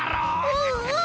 うんうん。